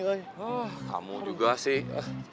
kamu juga sih